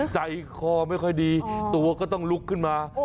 ใจคอไม่ค่อยดีตัวก็ต้องลุกขึ้นมา